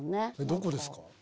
どこですか？